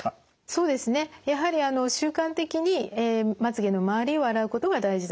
そうですねやはり習慣的にまつげの周りを洗うことが大事だと思います。